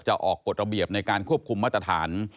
ออกกฎระเบียบในการควบคุมมาตรฐาน